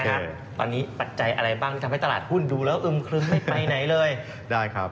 พี่เอกตอนนี้ปัจจัยอะไรบ้างที่ทำให้ตลาดหุ้นดูแล้วอึ้มครึ้งไม่ไปไหนเลย